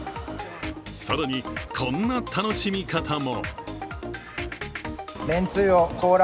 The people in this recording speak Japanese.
更に、こんな楽しみ方も。